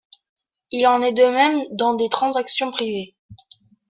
Il en est de même dans des transactions privées.